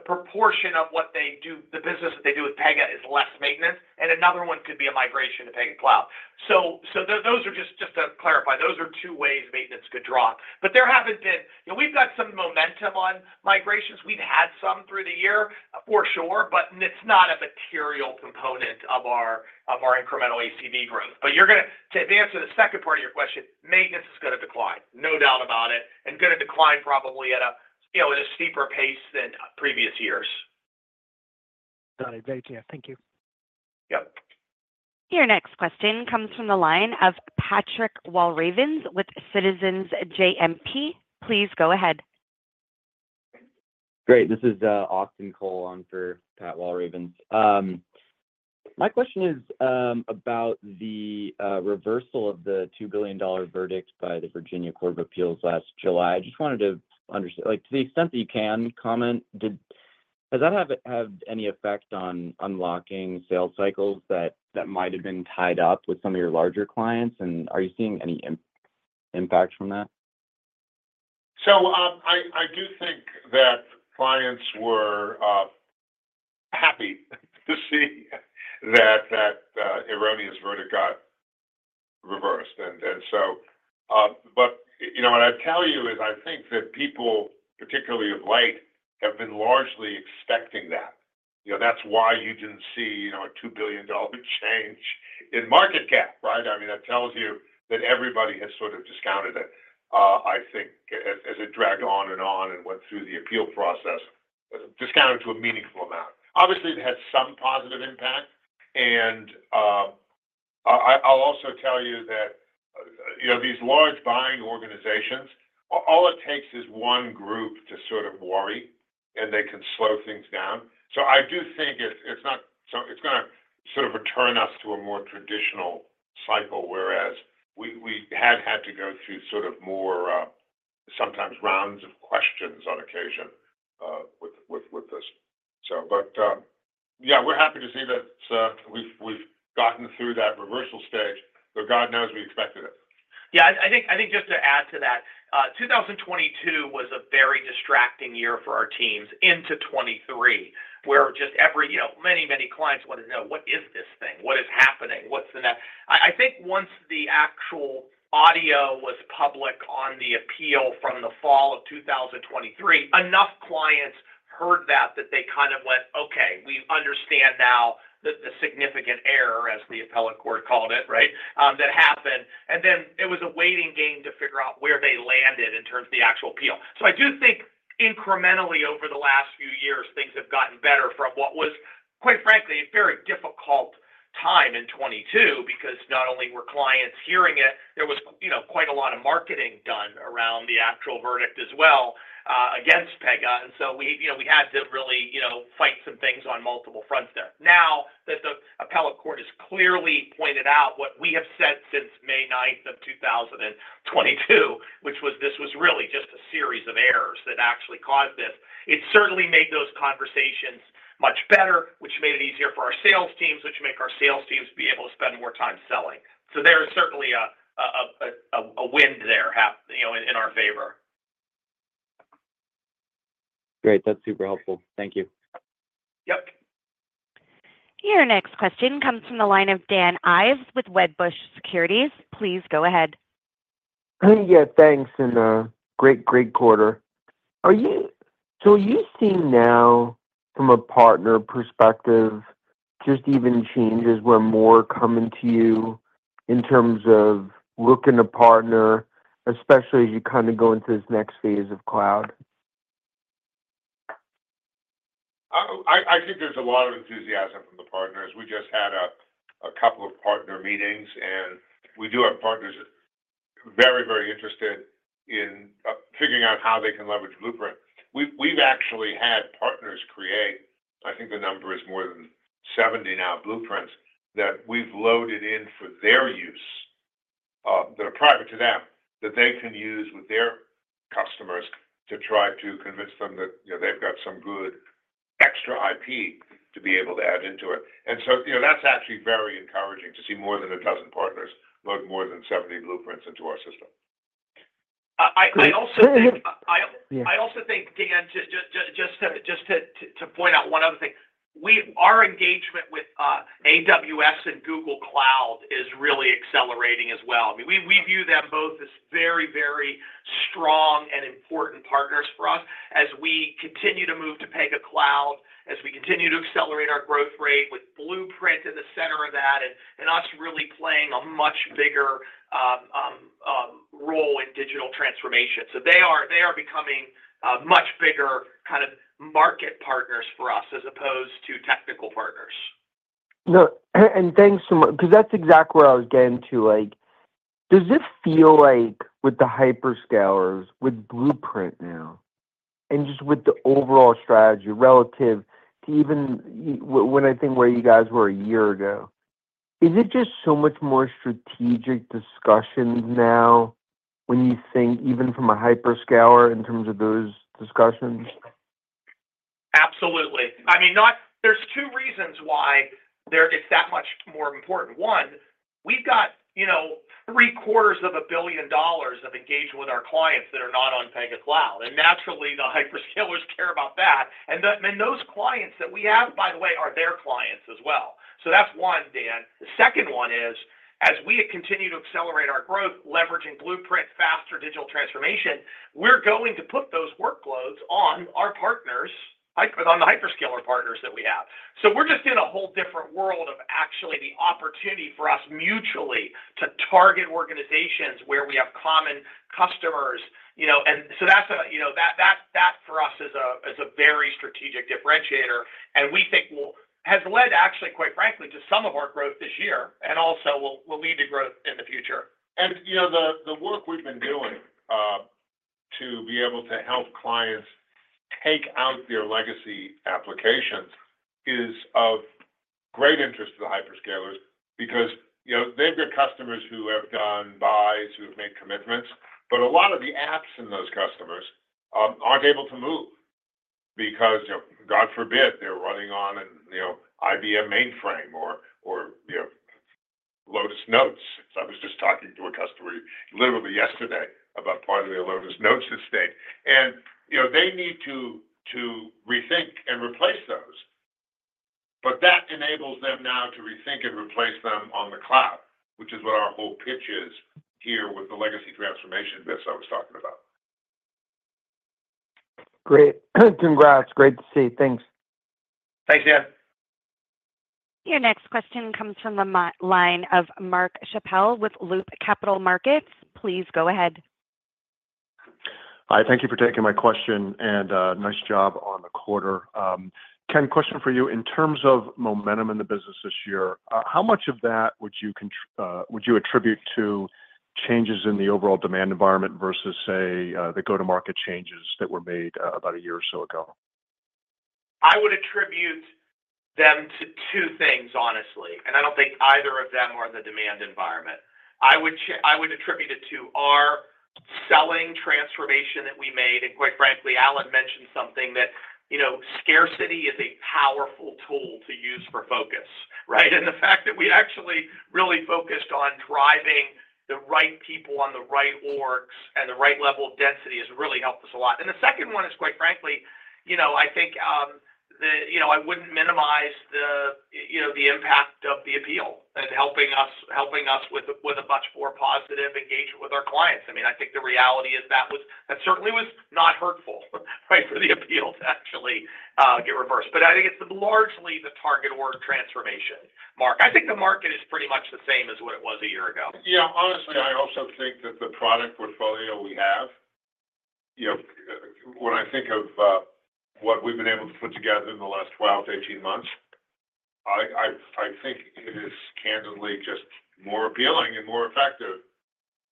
proportion of what they do, the business that they do with Pega is less maintenance, and another one could be a migration to Pega Cloud. So those are just to clarify, those are two ways maintenance could drop. But there haven't been... You know, we've got some momentum on migrations. We've had some through the year, for sure, but it's not a material component of our incremental ACV growth. But you're gonna to answer the second part of your question, maintenance is gonna decline, no doubt about it, and gonna decline probably at a, you know, steeper pace than previous years. Got it. Great, yeah. Thank you. Yep. Your next question comes from the line of Patrick Walravens with Citizens JMP. Please go ahead. Great, this is Austin Cole on for Pat Walravens. My question is about the reversal of the $2 billion verdict by the Virginia Court of Appeals last July. I just wanted to. Like, to the extent that you can comment, has that had any effect on unlocking sales cycles that might have been tied up with some of your larger clients? And are you seeing any impact from that? I do think that clients were happy to see that erroneous verdict got reversed. But you know, what I'd tell you is, I think that people, particularly of late, have been largely expecting that. You know, that's why you didn't see, you know, a $2 billion change in market cap, right? I mean, that tells you that everybody has sort of discounted it. I think as it dragged on and on and went through the appeal process, discounted to a meaningful amount. Obviously, it had some positive impact, and I'll also tell you that, you know, these large buying organizations, all it takes is one group to sort of worry, and they can slow things down. So I do think it's not so it's gonna sort of return us to a more traditional cycle, whereas we had had to go through sort of more sometimes rounds of questions on occasion with this. So but yeah, we're happy to see that we've gotten through that reversal stage, but God knows we expected it. Yeah, I think just to add to that,2022 was a very distracting year for our teams into 2023 where just every, you know, many, many clients wanted to know, "What is this thing? What is happening? What's the next-" I think once the actual audio was public on the appeal from the fall of 2023, enough clients heard that, that they kind of went, "Okay, we understand now the, the significant error," as the appellate court called it, right, that happened. And then it was a waiting game to figure out where they landed in terms of the actual appeal. I do think incrementally over the last few years, things have gotten better from what was, quite frankly, a very difficult time in 2022, because not only were clients hearing it, there was, you know, quite a lot of marketing done around the actual verdict as well against Pega. And so we, you know, we had to really, you know, fight some things on multiple fronts there. Now that the appellate court has clearly pointed out what we have said since May ninth of 2022, which was, this was really just a series of errors that actually caused this. It certainly made those conversations much better, which made it easier for our sales teams, which make our sales teams be able to spend more time selling. So there is certainly a win there, you know, in our favor. Great, that's super helpful. Thank you. Yep. Your next question comes from the line of Dan Ives with Wedbush Securities. Please go ahead. Yeah, thanks, and, great, great quarter. Are you -- so are you seeing now, from a partner perspective, just even changes where more coming to you in terms of looking to partner, especially as you kind of go into this next phase of cloud? I think there's a lot of enthusiasm from the partners. We just had a couple of partner meetings, and we do have partners that very, very interested in figuring out how they can leverage Blueprint. We've actually had partners create, I think the number is more than 70 now, Blueprints that we've loaded in for their use, that are private to them, that they can use to try to convince them that, you know, they've got some good extra IP to be able to add into it. And so, you know, that's actually very encouraging to see more than a dozen partners load more than 70 Blueprints into our system. I also think- Go ahead. I, I- Yeah. I also think, Dan, just to point out one other thing, our engagement with AWS and Google Cloud is really accelerating as well. I mean, we view them both as very, very strong and important partners for us as we continue to move to Pega Cloud, as we continue to accelerate our growth rate with Blueprint in the center of that, and us really playing a much bigger role in digital transformation. So they are becoming a much bigger kind of market partners for us, as opposed to technical partners. No, and thanks so much, 'cause that's exactly where I was getting to. Like, does this feel like with the hyperscalers, with Blueprint now, and just with the overall strategy relative to even when I think where you guys were a year ago, is it just so much more strategic discussions now when you think even from a hyperscaler in terms of those discussions? Absolutely. I mean, There's two reasons why there, it's that much more important. One, we've got, you know, $750 billion of engagement with our clients that are not on Pega Cloud, and naturally, the hyperscalers care about that. And those clients that we have, by the way, are their clients as well. So that's one, Dan. The second one is, as we continue to accelerate our growth, leveraging Blueprint, faster digital transformation, we're going to put those workloads on our partners, on the hyperscaler partners that we have. So we're just in a whole different world of actually the opportunity for us mutually to target organizations where we have common customers, you know. And so that's a, you know, that for us is a very strategic differentiator, and we think has led, actually, quite frankly, to some of our growth this year and also will lead to growth in the future. You know, the work we've been doing to be able to help clients take out their legacy applications is of great interest to the hyperscalers because, you know, they've got customers who have done buys, who have made commitments, but a lot of the apps in those customers aren't able to move because, you know, God forbid, they're running on an, you know, IBM mainframe or you know, Lotus Notes. I was just talking to a customer literally yesterday about part of their Lotus Notes estate. You know, they need to rethink and replace those, but that enables them now to rethink and replace them on the cloud, which is what our whole pitch is here with the legacy transformation biz I was talking about. Great. Congrats. Great to see. Thanks. Thanks, Dan. Your next question comes from the line of Mark Chappell with Loop Capital Markets. Please go ahead. Hi, thank you for taking my question, and, nice job on the quarter. Ken, question for you. In terms of momentum in the business this year, how much of that would you attribute to changes in the overall demand environment versus, say, the go-to-market changes that were made, about a year or so ago? I would attribute them to two things, honestly, and I don't think either of them are the demand environment. I would attribute it to our selling transformation that we made, and quite frankly, Alan mentioned something that, you know, scarcity is a powerful tool to use for focus, right? And the fact that we actually really focused on driving the right people on the right orgs and the right level of density has really helped us a lot. And the second one is, quite frankly, you know, I think, the, you know, I wouldn't minimize the, you know, the impact of the appeal and helping us, helping us with a, with a much more positive engagement with our clients. I mean, I think the reality is that was, that certainly was not hurtful, right, for the appeal to actually get reversed. But I think it's largely the target org transformation, Mark. I think the market is pretty much the same as what it was a year ago. Yeah. Honestly, I also think that the product portfolio we have, you know, when I think of what we've been able to put together in the last 12-18 months, I think it is candidly just more appealing and more effective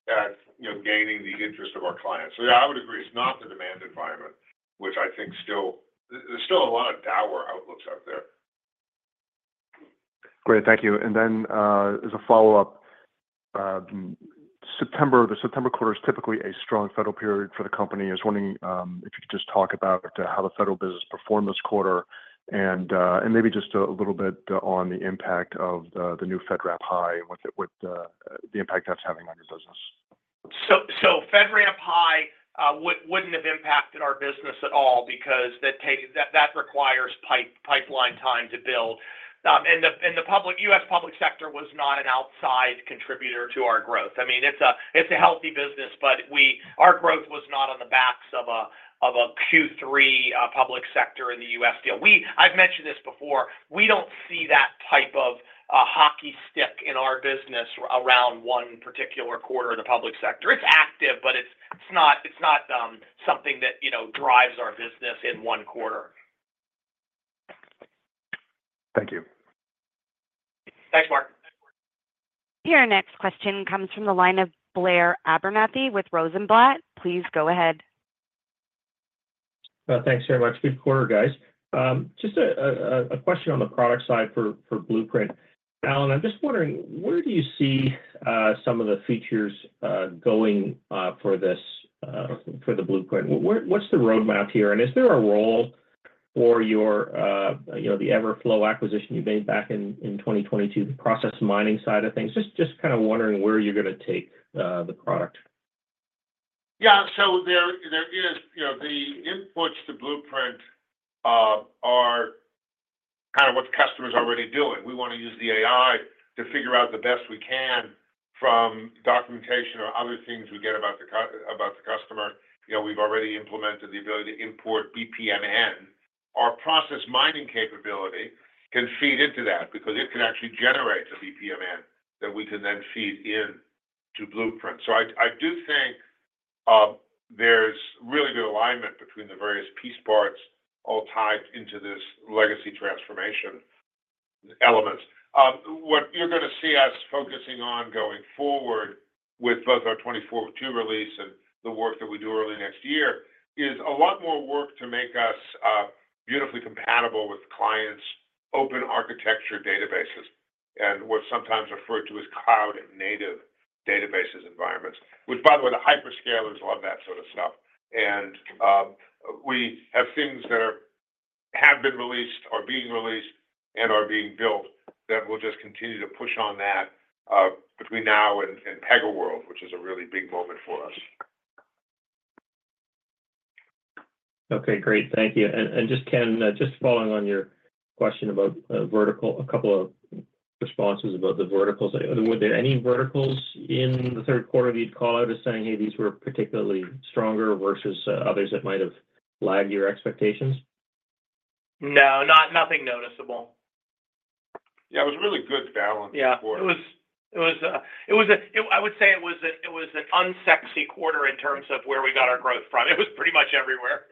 at, you know, gaining the interest of our clients. So yeah, I would agree, it's not the demand environment, which I think still, there's still a lot of dour outlooks out there. Great, thank you. And then, as a follow-up, the September quarter is typically a strong federal period for the company. I was wondering if you could just talk about how the federal business performed this quarter, and maybe just a little bit on the impact of the new FedRAMP High and the impact that's having on your business. FedRAMP High wouldn't have impacted our business at all because that takes pipeline time to build. The US public sector was not an outside contributor to our growth. I mean, it's a healthy business, but our growth was not on the backs of a Q3 public sector in the US deal. I've mentioned this before. We don't see that type of a hockey stick in our business around one particular quarter in the public sector. It's active, but it's not something that you know drives our business in one quarter. Thank you. Thanks, Mark. Your next question comes from the line of Blair Abernethy with Rosenblatt. Please go ahead.... Thanks very much. Good quarter, guys. Just a question on the product side for Blueprint. Alan, I'm just wondering, where do you see some of the features going for this for the Blueprint? What's the roadmap here, and is there a role for your you know, the Everflow acquisition you made back in 2022, the process mining side of things? Just kind of wondering where you're gonna take the product. Yeah. So there is, you know, the inputs to Blueprint are kind of what the customer's already doing. We want to use the AI to figure out the best we can from documentation or other things we get about the customer. You know, we've already implemented the ability to import BPMN. Our process mining capability can feed into that because it can actually generate the BPMN that we can then feed in to Blueprint. So I do think there's really good alignment between the various piece parts all tied into this legacy transformation element. What you're gonna see us focusing on going forward with both our 24.2 release and the work that we do early next year is a lot more work to make us beautifully compatible with clients' open architecture databases, and what's sometimes referred to as cloud-native database environments. Which, by the way, the hyperscalers love that sort of stuff, and we have things that have been released, are being released, and are being built, that will just continue to push on that, between now and PegaWorld, which is a really big moment for us. Okay, great. Thank you. And just, Ken, just following on your question about vertical, a couple of responses about the verticals. Were there any verticals in the third quarter that you'd call out as saying, "Hey, these were particularly stronger," versus others that might have lagged your expectations? No, not, nothing noticeable. Yeah, it was a really good balance- Yeah -quarter. It was a... I would say it was an unsexy quarter in terms of where we got our growth from. It was pretty much everywhere.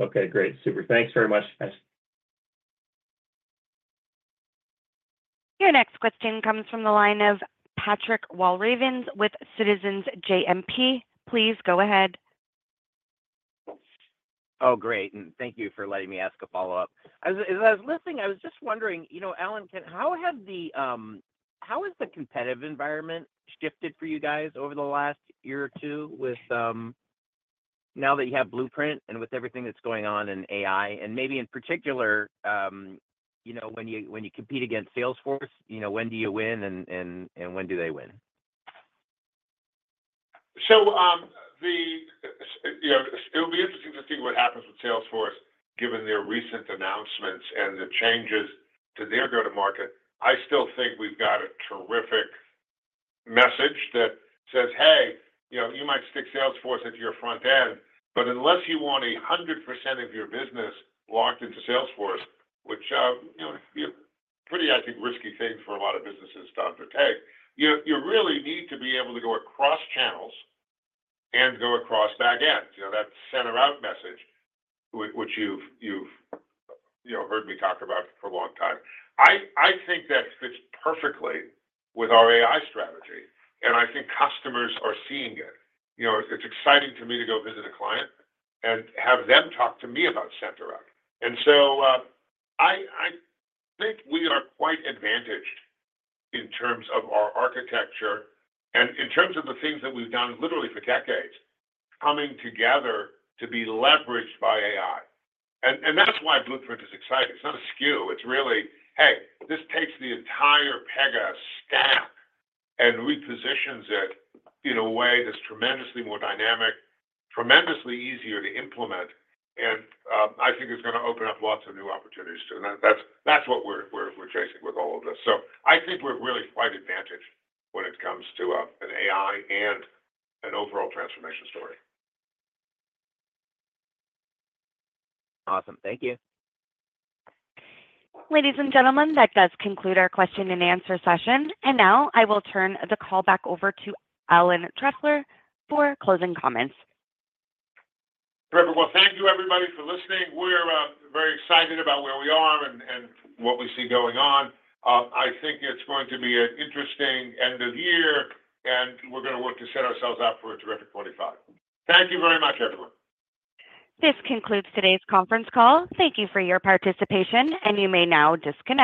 Okay, great. Super. Thanks very much, guys. Your next question comes from the line of Patrick Walravens with Citizens JMP. Please go ahead. Oh, great, and thank you for letting me ask a follow-up. As I was listening, I was just wondering, you know, Alan, Ken, how has the competitive environment shifted for you guys over the last year or two with, now that you have Blueprint and with everything that's going on in AI, and maybe in particular, you know, when you compete against Salesforce, you know, when do you win and when do they win? You know, it'll be interesting to see what happens with Salesforce, given their recent announcements and the changes to their go-to-market. I still think we've got a terrific message that says, "Hey, you know, you might stick Salesforce into your front end, but unless you want 100% of your business locked into Salesforce," which, you know, be a pretty, I think, risky thing for a lot of businesses to undertake, "you really need to be able to go across channels and go across back ends." You know, that Center-out message, which you've, you know, heard me talk about for a long time. I think that fits perfectly with our AI strategy, and I think customers are seeing it. You know, it's exciting to me to go visit a client and have them talk to me about Center-out. And so, I think we are quite advantaged in terms of our architecture and in terms of the things that we've done literally for decades, coming together to be leveraged by AI. And that's why Blueprint is exciting. It's not a SKU. It's really, hey, this takes the entire Pega stack and repositions it in a way that's tremendously more dynamic, tremendously easier to implement, and I think it's gonna open up lots of new opportunities, too. And that's what we're chasing with all of this. So I think we're really quite advantaged when it comes to an AI and an overall transformation story. Awesome. Thank you. Ladies and gentlemen, that does conclude our question and answer session, and now I will turn the call back over to Alan Trefler for closing comments. Terrific. Thank you, everybody, for listening. We're very excited about where we are and what we see going on. I think it's going to be an interesting end of year, and we're gonna work to set ourselves up for a terrific 2025. Thank you very much, everyone. This concludes today's conference call. Thank you for your participation, and you may now disconnect.